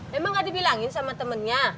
memang gak dibilangin sama temennya